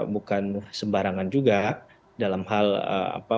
bukan sembarangan juga dalam hal apa